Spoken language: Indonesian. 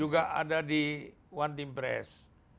juga ada di one team press